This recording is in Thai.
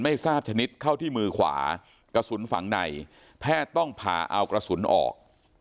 ไม่ทราบชนิดเข้าที่มือขวากระสุนฝังในแพทย์ต้องผ่าเอากระสุนออก